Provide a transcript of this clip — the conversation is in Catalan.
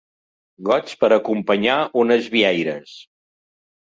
Gots per acompanyar unes vieires.